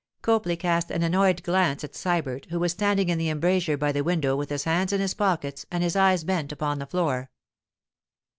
Copley cast an annoyed glance at Sybert, who was standing in the embrasure by the window with his hands in his pockets and his eyes bent upon the floor.